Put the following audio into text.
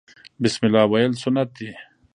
بسم الله ویل سنت دي